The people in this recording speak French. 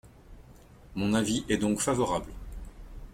Mon avis est donc favorable.